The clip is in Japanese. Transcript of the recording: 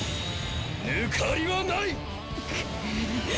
抜かりはない！